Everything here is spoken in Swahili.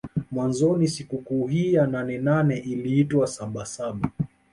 Mwanzoni sikukuu hii ya nane nane iliitwa saba saba